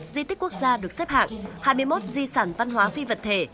một mươi một di tích quốc gia được xếp hạng hai mươi một di sản văn hóa phi vật thể